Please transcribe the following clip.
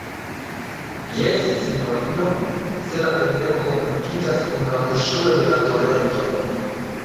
Jes, sinjorino, se la fendego komunikiĝas kun la kuŝujo de la torento.